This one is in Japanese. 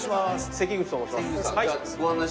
関口と申します。